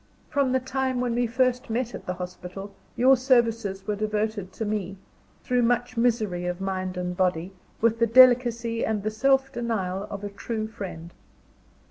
From the time when we first met at the hospital, your services were devoted to me, through much misery of mind and body, with the delicacy and the self denial of a true friend.